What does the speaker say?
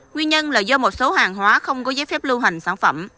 nguyên nhân là do một số hàng hóa không có giấy phép lưu hành sản phẩm